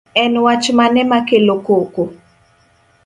En wach mane makelo koko